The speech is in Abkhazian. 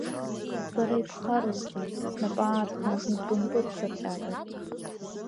Бара ибхароузеи, снапы аархан ибымпыҵсырҟьазар.